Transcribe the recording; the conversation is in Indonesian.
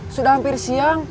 sudah hampir siang